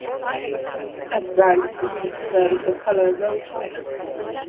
At right is displayed the color rose pink.